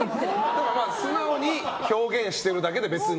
素直に表現してるだけで別に。